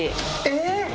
えっ！